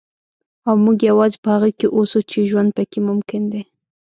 او موږ یوازې په هغه کې اوسو چې ژوند پکې ممکن دی.